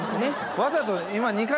わざと。